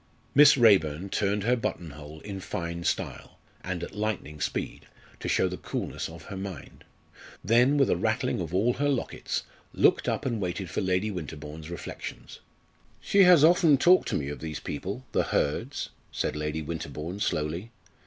Miss Raeburn turned her buttonhole in fine style, and at lightning speed, to show the coolness of her mind, then with a rattling of all her lockets, looked up and waited for Lady Winterbourne's reflections. "She has often talked to me of these people the Hurds," said Lady Winterbourne, slowly.